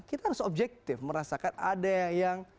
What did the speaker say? kita harus objektif merasakan ada yang